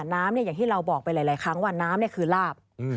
น้ำอย่างที่เราบอกไปหลายครั้งว่าน้ำคือลาบ